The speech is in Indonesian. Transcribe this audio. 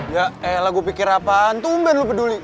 ya elah gue pikir apaan